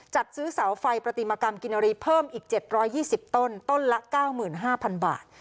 จัดซื้อเสาไฟประติมกรรมกินรีเพิ่มอีกเจ็ดร้อยยี่สิบต้นต้นละเก้าหมื่นห้าพันบาท